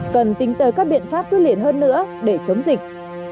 cần tính tới các biện pháp quyết liệt hơn nữa để chống dịch